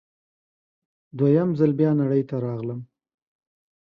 دوه یم ځل بیا نړۍ ته راغلم